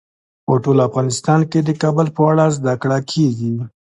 په ټول افغانستان کې د کابل په اړه زده کړه کېږي.